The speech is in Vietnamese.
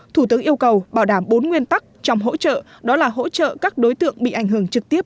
thủ tướng yêu cầu bảo đảm bốn nguyên tắc trong hỗ trợ đó là hỗ trợ các đối tượng bị ảnh hưởng trực tiếp